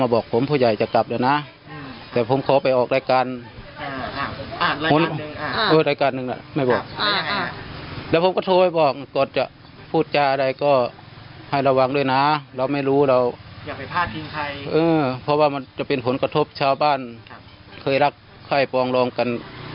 บางทีอาจจะเกิดการระเวงกัน